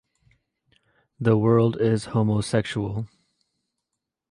The world is homosexual.